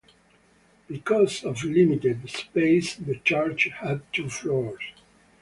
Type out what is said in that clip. Because of limited space the church had two floors.